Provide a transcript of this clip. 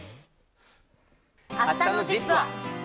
あしたのＺＩＰ！は。